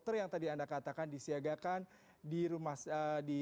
terima kasih juga